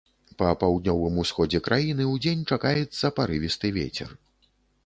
Па паўднёвым усходзе краіны удзень чакаецца парывісты вецер.